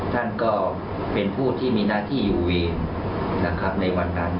ท่านก็เป็นผู้ที่มีหน้าที่อยู่เองนะครับในวันนั้น